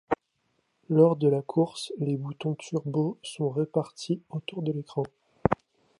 Lors de la course, les boutons turbo sont répartis autour de l’écran.